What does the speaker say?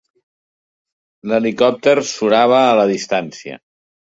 L'helicòpter surava a la distància.